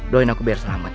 doain aku biar selamat